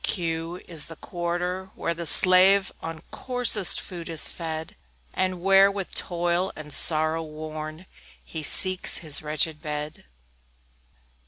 Q Q is the Quarter, where the slave On coarsest food is fed, And where, with toil and sorrow worn, He seeks his wretched bed.